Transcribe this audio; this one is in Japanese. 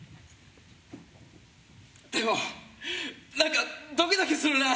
でもなんかドキドキするな。